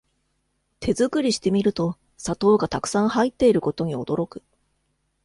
手作りしてみると砂糖がたくさん入ってることに驚く